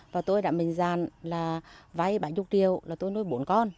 và tôi đã mạnh dạn là vay bảy chục triệu là tôi nuôi bốn con